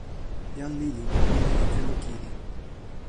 jan lili li wile e telo kili.